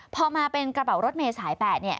พอมาเป็นกระเป๋ารถเมย์สาย๘